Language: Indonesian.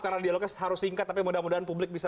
karena dialognya harus singkat tapi mudah mudahan publik bisa